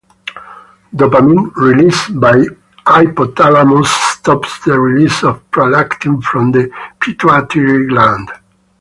Dopamine, released by the hypothalamus stops the release of prolactin from the pituitary gland.